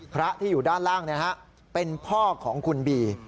พระที่อยู่ด้านล่างเป็นพ่อของคุณบี